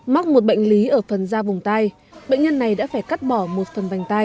mắc một bệnh lý ở phần da vùng tay bệnh nhân này đã phải cắt bỏ một phần vành tay